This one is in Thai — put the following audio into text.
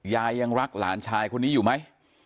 ยังรักหลานชายคนนี้อยู่ไหม